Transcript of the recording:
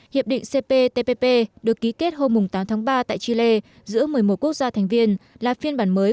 hiệp định cptpp được ký kết hôm tám tháng ba tại chile giữa một mươi một quốc gia thành viên là phiên bản mới